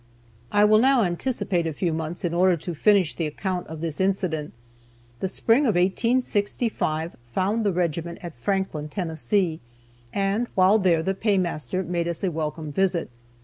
I will now anticipate a few months, in order to finish the account of this incident. The spring of 1865 found the regiment at Franklin, Tennessee, and while there the paymaster made us a welcome visit.